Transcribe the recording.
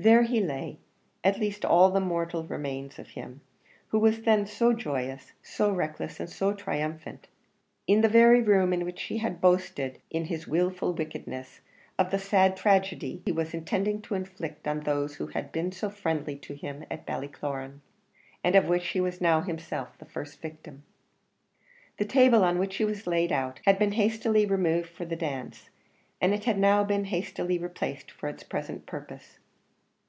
There he lay, at least all that mortal remained of him, who was then so joyous, so reckless, and so triumphant, in the very room in which he had boasted, in his wilful wickedness, of the sad tragedy he was intending to inflict on those who had been so friendly to him at Ballycloran, and of which he was now himself the first victim. The table on which he was laid out had been hastily removed for the dance, and it had now been as hastily replaced for its present purpose.